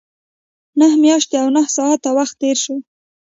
نهه میاشتې او نهه ساعته وخت تېر شو.